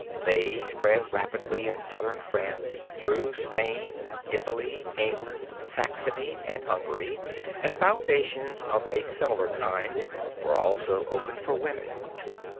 They spread rapidly in Southern France, through Spain, Italy, England, Saxony, and Hungary, and foundations of a similar kind were also opened for women.